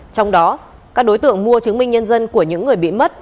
trong đó các đối tượng mua chứng minh nhân dân của những người bị mất